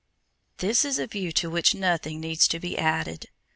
This is a view to which nothing needs to be added.